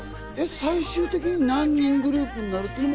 最終的に何人グループになるかも？